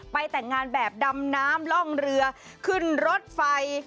แต่งงานแบบดำน้ำล่องเรือขึ้นรถไฟ